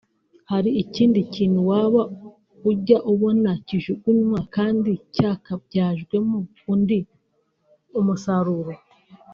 hari ikindi kintu waba ujya ubona kijugunywa kandi cyakabyajwemo undi umusaruro